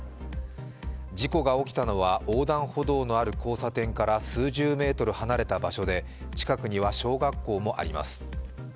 事故が起きたのは横断歩道のある交差点から数十メートル離れた場所で近くには小学校もあります。